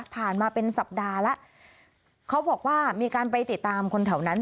มาเป็นสัปดาห์แล้วเขาบอกว่ามีการไปติดตามคนแถวนั้น